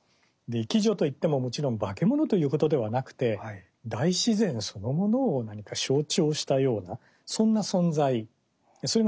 鬼女といってももちろん化け物ということではなくて大自然そのものを何か象徴したようなそんな存在それが山姥なんですね。